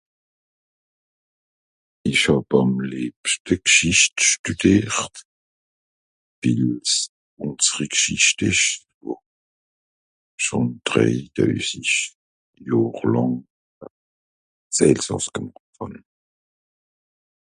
ìsch hàb àm lebschte g'schicht stùdert wil's ùnseri g'schicht esch schòn drei deuzig johr làng s'elsàss gemàcht hàn